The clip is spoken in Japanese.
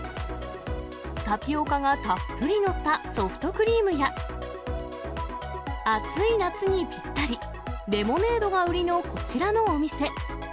タピオカがたっぷり載ったソフトクリームや、暑い夏にぴったり、レモネードが売りのこちらのお店。